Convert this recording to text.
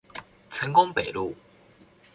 成功北路